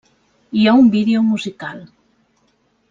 Hi ha un vídeo musical.